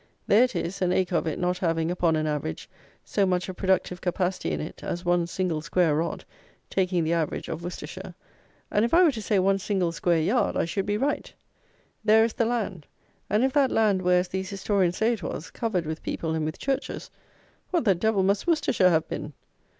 There it is, an acre of it not having, upon an average, so much of productive capacity in it as one single square rod, taking the average, of Worcestershire; and if I were to say one single square yard, I should be right; there is the land; and if that land were as these historians say it was, covered with people and with churches, what the devil must Worcestershire have been!